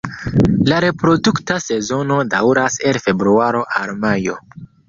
La reprodukta sezono daŭras el februaro al majo.